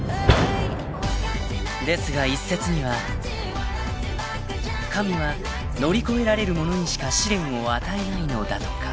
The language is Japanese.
［ですが一説には神は乗り越えられる者にしか試練を与えないのだとか］